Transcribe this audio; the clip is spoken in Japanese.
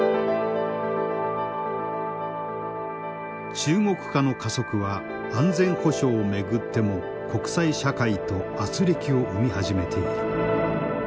中国化の加速は安全保障を巡っても国際社会と軋轢を生み始めている。